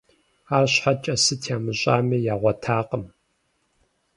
АрщхьэкӀэ, сыт ямыщӀами, ягъуэтакъым.